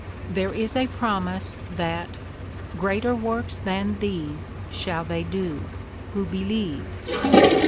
There is a promise that 'greater works than these shall they do' who 'believe.'